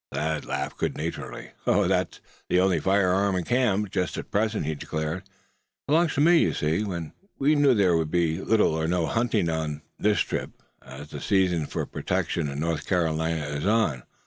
Thad laughed good naturedly. "That's the only firearm in camp, just at present," he declared. "It belongs to me, you see. We knew there would be little or no hunting on this trip, as the season for protection in North Carolina is on.